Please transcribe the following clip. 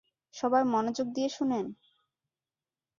সবাই মনোযোগ দিয়ে শুনেন!